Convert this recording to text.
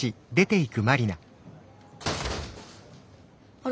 あれ？